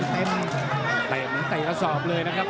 เตะกระสอบเลยนะครับ